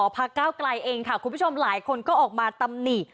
พักเก้าไกลเองค่ะคุณผู้ชมหลายคนก็ออกมาตำหนิ